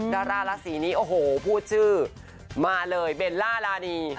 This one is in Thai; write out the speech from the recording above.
ดาราราศีนี้โอ้โหพูดชื่อมาเลยเบลล่ารานี